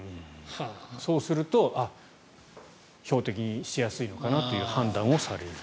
そうすると標的にしやすいのかなという判断をされる。